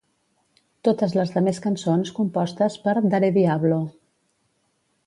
Totes les demés cançons compostes per Darediablo.